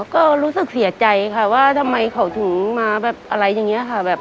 ก็รู้สึกเสียใจค่ะว่าทำไมเขาถึงมาแบบอะไรอย่างนี้ค่ะ